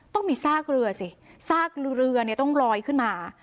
ต้องมีซากเรือสิซากเรือเนี่ยต้องลอยขึ้นมา